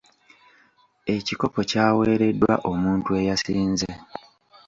Ekikopo kyaweereddwa omuntu eyasinze.